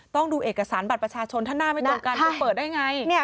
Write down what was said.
ต้องดูเอกสารบัตรประชาชนถ้าหน้าไม่ตรงกันคุณเปิดได้ไง